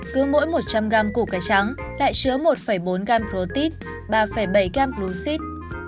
cứ mỗi một trăm linh g củ cải trắng lại chứa một bốn g protein ba bảy g glucid